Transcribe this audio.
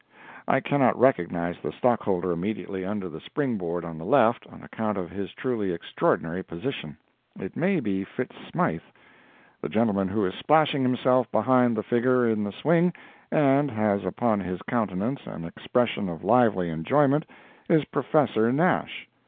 I cannot recognize the stockholder immediately under the spring board on the left, on account of his truly extraordinary position. It may be Fitz Smythe. The gentleman who is splashing himself behind the figure in the swing, and [has] upon his countenance an expression of lively enjoyment, is Professor Nash.